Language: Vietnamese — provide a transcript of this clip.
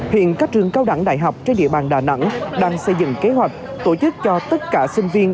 hiện các trường cao đẳng đại học trên địa bàn đà nẵng đang xây dựng kế hoạch tổ chức cho tất cả sinh viên